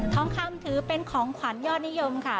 ทองคำถือเป็นของขวัญยอดนิยมค่ะ